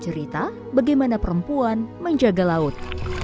cerita bagaimana perempuan menjaga laut